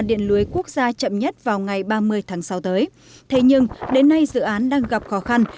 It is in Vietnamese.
điện lưới quốc gia chậm nhất vào ngày ba mươi tháng sáu tới thế nhưng đến nay dự án đang gặp khó khăn